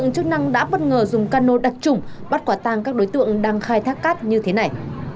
chức năng đã bất ngờ dùng cano đặc trụng bắt quả tang các đối tượng đang khai thác cát như thế này